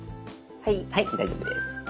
はい大丈夫です。